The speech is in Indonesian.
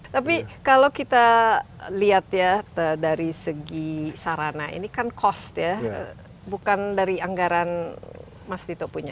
tapi kalau kita lihat ya dari segi sarana ini kan cost ya bukan dari anggaran mas tito punya